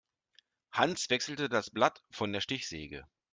Hans wechselte das Blatt von der Stichsäge.